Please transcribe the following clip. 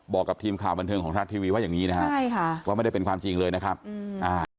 บอกกับทีมข่าวบันเทิงของรัฐทีวีว่าอย่างงี้นะฮะใช่ค่ะว่าไม่ได้เป็นความจริงเลยนะครับอืมอ่า